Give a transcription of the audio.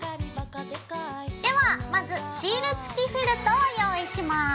ではまずシール付きフェルトを用意します。